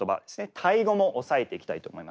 タイ語も押さえていきたいと思います。